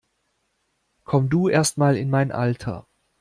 Komm du erst mal in mein Alter!